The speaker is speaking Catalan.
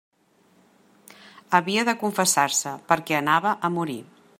Havia de confessar-se, perquè anava a morir.